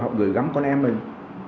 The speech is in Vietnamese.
họ gửi gắm con em mình